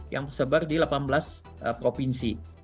yang tersebar di delapan belas provinsi